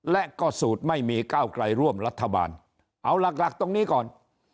และก็สูตรไม่มีก้าวไกลร่วมรัฐบาลเอาหลักตรงนี้ก่อน